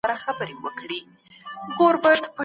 ایا طبیعي علوم یوازې طبیعت څېړي؟